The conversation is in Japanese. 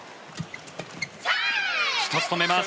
１つ、止めます。